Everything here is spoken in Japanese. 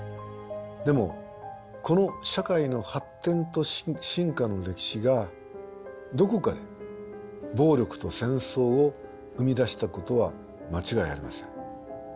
でもこの社会の発展と進化の歴史がどこかで暴力と戦争を生み出したことは間違いありません。